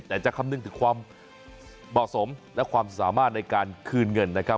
แต่จะคำนึงถึงความเหมาะสมและความสามารถในการคืนเงินนะครับ